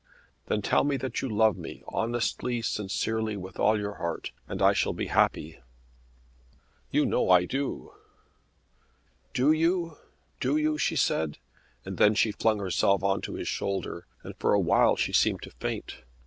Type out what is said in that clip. "Then tell me that you love me honestly, sincerely, with all your heart, and I shall be happy." "You know I do." "Do you? Do you?" she said, and then she flung herself on to his shoulder, and for a while she seemed to faint.